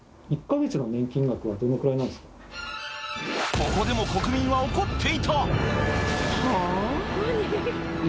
ここでも、国民は怒っていた。